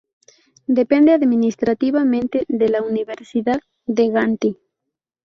Depende administrativamente de la Universidad de Gante.